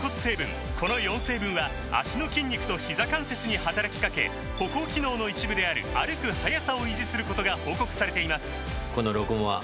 この４成分は脚の筋肉とひざ関節に働きかけ歩行機能の一部である歩く速さを維持することが報告されています